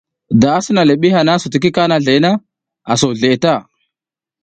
Da a sina le ɓi hana asa tiki kahana na, a so zleʼe ta.